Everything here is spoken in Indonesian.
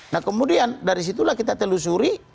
nah kemudian dari situlah kita telusuri